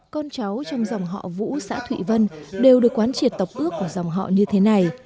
con cháu trong dòng họ vũ xã thụy vân đều được quán triệt tộc ước của dòng họ như thế này